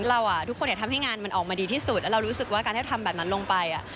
ทุกคนทำให้งานมันออกมาดีที่สุดแล้วเรารู้สึกว่าการที่เราทำแบบนั้นลงไป